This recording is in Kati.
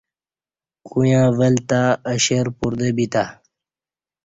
کویاں ول تہ اہ شیر پردہ بتے